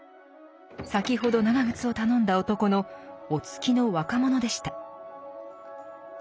先ほど長靴を頼んだ男のお付きの若者でした。